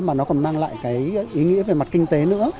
mà nó còn mang lại cái ý nghĩa về mặt kinh tế nữa